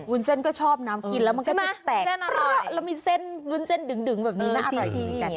วุ้นเส้นก็ชอบน้ำกินแล้วมันก็จะแตกร้าแล้วมีเส้นวุ้นเส้นดึงแบบนี้น่าอร่อยดีเหมือนกัน